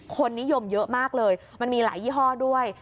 คนนิยมเยอะมากเลยมันมีหลายยี่ห้อด้วย